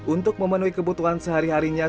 untuk memenuhi kebutuhan sehari harinya